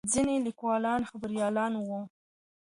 ځینې لیکوالان خبریالان وو.